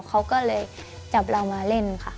เขาก็เลยจับเรามาเล่นค่ะ